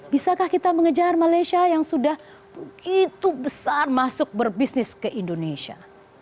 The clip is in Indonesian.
bisakah kita mengejar malaysia yang sudah begitu besar masuk berbisnis ke indonesia